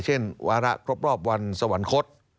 วาระครบรอบวันสวรรคต